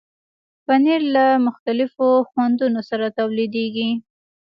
پنېر له مختلفو خوندونو سره تولیدېږي.